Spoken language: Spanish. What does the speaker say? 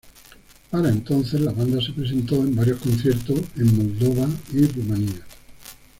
Para entonces, la banda se presentó en varios conciertos en Moldova y Rumanía.